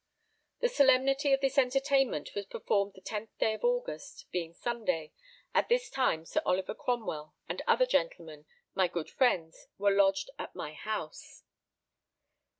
The solemnity of this entertainment was performed the 10th day of August, being Sunday. At this time Sir Oliver Cromwell and other gentlemen, my good friends, were lodged at my house.